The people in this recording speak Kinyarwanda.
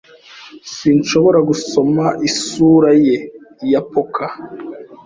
Sinshobora gusoma isura ye ya poker.